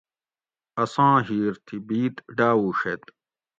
اساں ھیر تی بید ڈاووڛیت